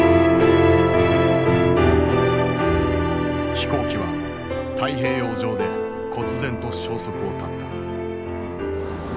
飛行機は太平洋上でこつ然と消息を絶った。